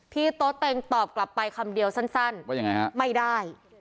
โต๊เต็งตอบกลับไปคำเดียวสั้นว่ายังไงฮะไม่ได้